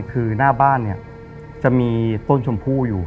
คือหน้าบ้านเนี่ยจะมีต้นชมพู่อยู่